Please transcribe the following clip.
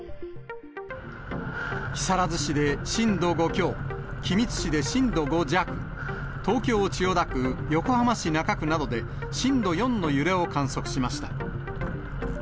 木更津市で震度５強、君津市で震度５弱、東京・千代田区、横浜市中区などで震度４の揺れを観測しました。